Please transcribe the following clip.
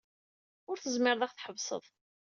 Ur tezmireḍ ara ad ɣ-tḥebseḍ.